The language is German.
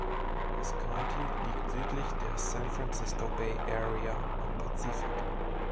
Das County liegt südlich der San Francisco Bay Area am Pazifik.